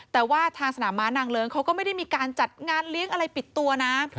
แต่ว่าทางสนามม้านางเลิ้งเขาก็ไม่ได้มีการจัดงานเลี้ยงอะไรปิดตัวนะ